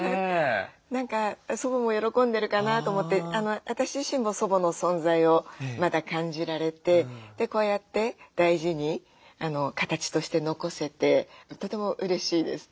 何か祖母も喜んでるかなと思って私自身も祖母の存在をまた感じられてこうやって大事に形として残せてとてもうれしいです。